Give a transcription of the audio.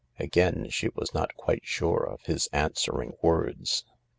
Again she was not quite sure of his answering words.